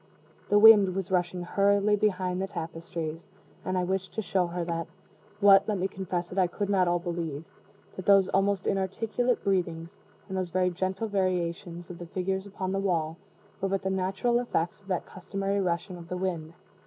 The wind was rushing hurriedly behind the tapestries, and I wished to show her (what, let me confess it, I could not all believe) that those almost inarticulate breathings, and those very gentle variations of the figures upon the wall, were but the natural effects of that customary rushing of the wind.